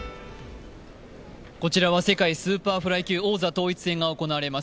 こちらは世界スーパーフライ級王座統一戦が行われます